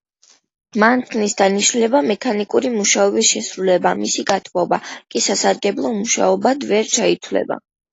მანქანის დანიშნულებაა მექანიკური მუშაობის შესრულება, მისი გათბობა კი სასარგებლო მუშაობად ვერ ჩაითვლება.